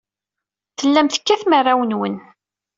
Tellam tekkatem arraw-nwen.